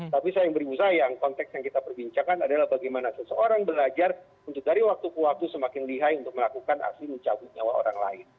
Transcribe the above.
tapi sayang beribu sayang konteks yang kita perbincangkan adalah bagaimana seseorang belajar untuk dari waktu ke waktu semakin lihai untuk melakukan aksi mencabut nyawa orang lain